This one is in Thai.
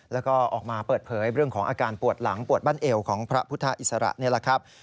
แล้วก็ออกมาเปิดเผยเรื่องของอาการปวดหลังปวดบั้นเอวของพระพุทธอิสระนี่แหละครับ